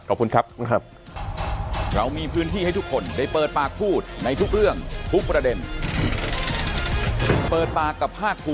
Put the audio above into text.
ขอบคุณครับ